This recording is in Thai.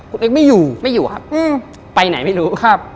คุณเอ็กซไม่อยู่ไม่อยู่ครับไปไหนไม่รู้ครับ